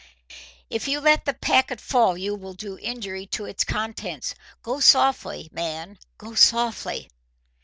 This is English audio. "If you let the packet fall you will do injury to its contents. Go softly, man, go softly!"